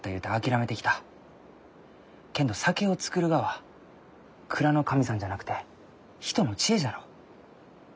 けんど酒を造るがは蔵の神さんじゃなくて人の知恵じゃろう？